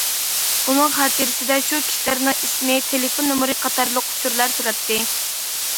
ئۇنىڭ خاتىرىسىدە شۇ كىشىلەرنىڭ ئىسمى، تېلېفون نومۇرى قاتارلىق ئۇچۇرلار تۇراتتى.